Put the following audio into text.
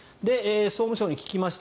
総務省に聞きました。